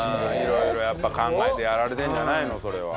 色々やっぱ考えてやられてるんじゃないのそれは。